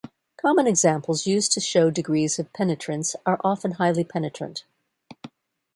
Common examples used to show degrees of penetrance are often highly penetrant.